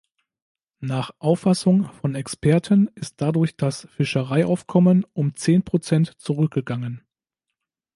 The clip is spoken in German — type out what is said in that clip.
Nach Auffassung von Experten ist dadurch das Fischereiaufkommen um zehn Prozent zurückgegangen.